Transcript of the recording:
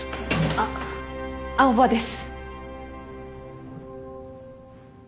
あっ青羽です。